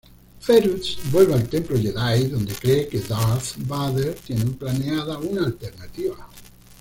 Ferus vuelve al Templo Jedi donde cree que Darth Vader tiene planeada una alternativa.